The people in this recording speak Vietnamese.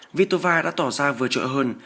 kavitova đã tỏ ra vừa trợ hơn